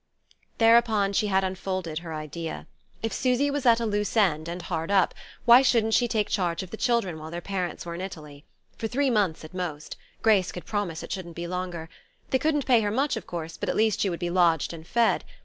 Thereupon she had unfolded her idea. If Susy was at a loose end, and hard up, why shouldn't she take charge of the children while their parents were in Italy? For three months at most Grace could promise it shouldn't be longer. They couldn't pay her much, of course, but at least she would be lodged and fed.